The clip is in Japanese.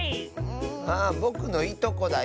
あぼくのいとこだよ！